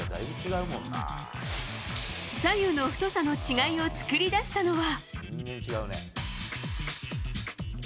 左右の太さの違いを作り出したのは。